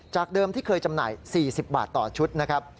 เดิมที่เคยจำหน่าย๔๐บาทต่อชุดนะครับ